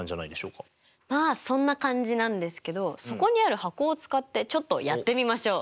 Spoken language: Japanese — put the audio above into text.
まあそんな感じなんですけどそこにある箱を使ってちょっとやってみましょう。